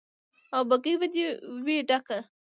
او بګۍ به دې وي ډکه